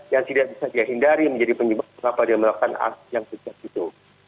yang tidak bisa dihindari menjadi penyebab kenapa dia melakukan aksi yang sejauh itu